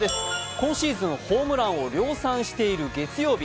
今シーズン、ホームランを量産している月曜日。